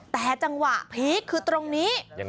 แต่จังหวะพีคคือตรงนี้